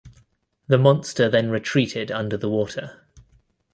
The monster then retreated under the water.